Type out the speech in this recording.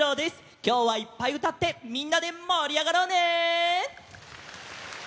きょうはいっぱいうたってみんなでもりあがろうね！